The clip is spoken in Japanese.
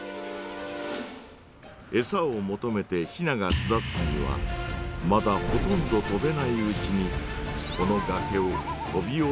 エサを求めてヒナが巣立つにはまだほとんど飛べないうちにこのがけを飛び降りるしかないのです。